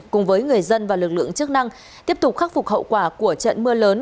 cùng với người dân và lực lượng chức năng tiếp tục khắc phục hậu quả của trận mưa lớn